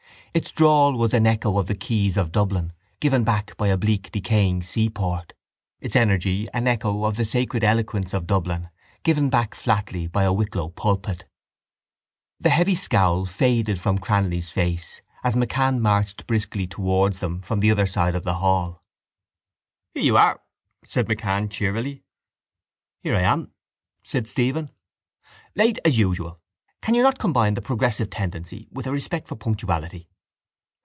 Its drawl was an echo of the quays of Dublin given back by a bleak decaying seaport, its energy an echo of the sacred eloquence of Dublin given back flatly by a Wicklow pulpit. The heavy scowl faded from Cranly's face as MacCann marched briskly towards them from the other side of the hall. —Here you are! said MacCann cheerily. —Here I am! said Stephen. —Late as usual. Can you not combine the progressive tendency with a respect for punctuality?